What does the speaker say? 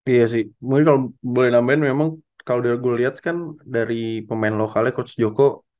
iya sih mungkin kalau boleh nambahin memang kalau gue lihat kan dari pemain lokalnya coach joko